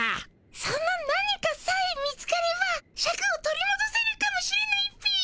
その何かさえ見つかればシャクを取りもどせるかもしれないっピ。